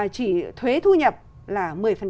chỉ thuế thu nhập là một mươi